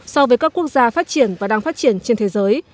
so với các quốc gia phát triển và đang phát triển trên thế giới